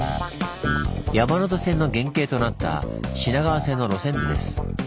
山手線の原型となった品川線の路線図です。